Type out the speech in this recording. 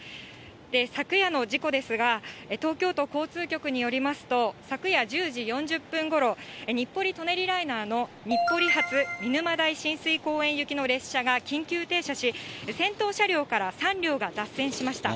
昨夜の事故ですが、東京都交通局によりますと、昨夜１０時４０分ごろ、日暮里・舎人ライナーの日暮里発見沼代親水公園行きの列車が緊急停車し、先頭車両から３両が脱線しました。